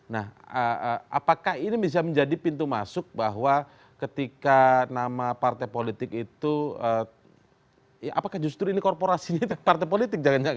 nah apakah ini bisa menjadi pintu masuk bahwa ketika nama partai politik itu ya apakah justru ini korporasinya partai politik jangan jangan